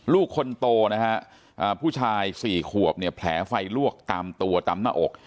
ลูกคนโตนะฮะผู้ชาย๔ขวบเนี่ยแผลไฟลวกตามตัวตามหน้าอก